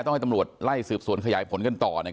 ต้องให้ตำรวจไล่สืบสวนขยายผลกันต่อ